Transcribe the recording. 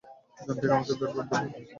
এখান থেকে আমাদের বের করে নেবো।